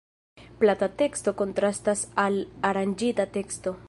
Plata teksto kontrastas al aranĝita teksto.